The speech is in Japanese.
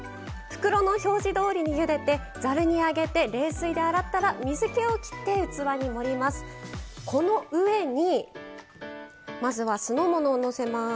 袋の表示どおりにゆでてざるに上げて冷水で洗ったら水けをきって器に盛りつけます。